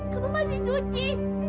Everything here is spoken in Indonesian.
kamu masih suci